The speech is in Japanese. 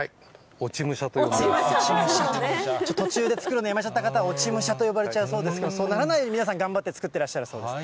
落ち武者と、途中で作るのやめちゃった方は落ち武者と呼ばれちゃうそうですから、そうならないように皆さん頑張って作っていらっしゃるそうです。